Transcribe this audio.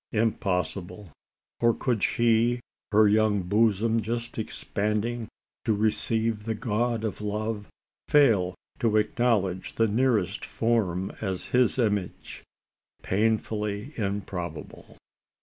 Impossible. Or could she her young bosom just expanding to receive the god of love fail to acknowledge the nearest form as his image? Painfully improbable!